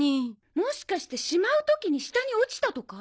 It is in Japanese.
もしかしてしまう時に下に落ちたとか？